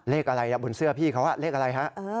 เลขอะไรล่ะบนเสื้อพี่เขาเลขอะไรฮะ